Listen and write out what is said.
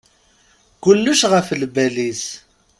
Kulec ɣef lbal-is.